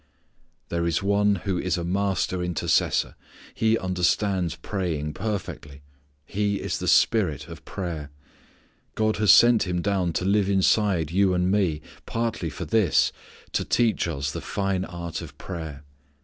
There is One who is a master intercessor. He understands praying perfectly. He is the Spirit of prayer. God has sent Him down to live inside you and me, partly for this, to teach us the fine art of prayer.